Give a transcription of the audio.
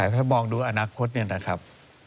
ถ้ามองดูอนาคตเนี่ยนะครับ